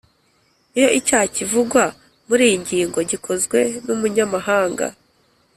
iyo icyaha kivugwa muri iyi ngingo gikozwe n’umunyamahanga,